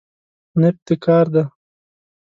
نفت د کار دی.